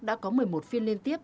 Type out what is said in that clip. đã có một mươi một phiên liên tiếp